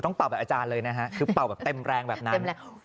เป่าแบบอาจารย์เลยนะฮะคือเป่าแบบเต็มแรงแบบนั้น